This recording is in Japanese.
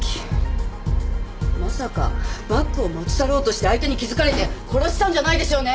まさかバッグを持ち去ろうとして相手に気づかれて殺したんじゃないでしょうね？